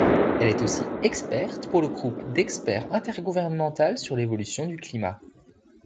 Elle est aussi experte pour le Groupe d'experts intergouvernemental sur l'évolution du climat.